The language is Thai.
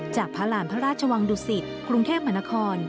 จากพระราณพระราชวังดุสิตกรุงแทพมนาคอน